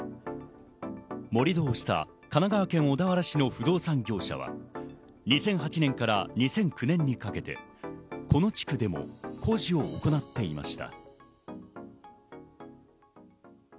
盛り土をした神奈川県小田原市の不動産業者は２００８年から２００９年にかけてこの地区でも工事を行っていました。